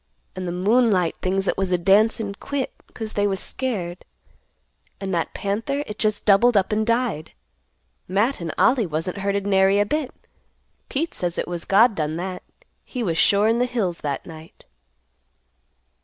And the moonlight things that was a dancin' quit 'cause they was scared; and that panther it just doubled up and died. Matt and Ollie wasn't hurted nary a bit. Pete says it was God done that; He was sure in the hills that night."